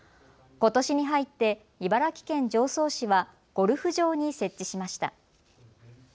ことしに入って茨城県常総市はゴルフ場に設置しました。